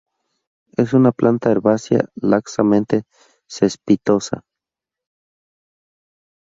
Es una planta herbácea laxamente cespitosa.